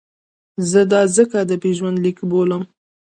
زه دا ځکه ادبي ژوندلیک بولم.